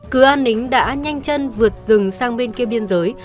cứ an nính đã nhanh chân vượt rừng sang bên kia biên giới